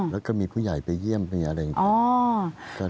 แล้วก็มีผู้ใหญ่ไปเยี่ยมมีอะไรอย่างนี้